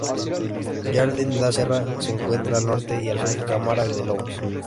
Jardim da Serra se encuentra al Norte y al Sur Câmara de Lobos.